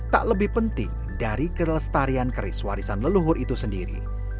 tak lebih penting dari kelestarian keris warisan leluhur itu sendiri